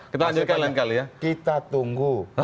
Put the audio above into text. kita lanjutkan lain kali ya kita tunggu